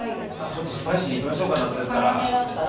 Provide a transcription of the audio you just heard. ちょっとスパイシーにいきましょうか夏ですから。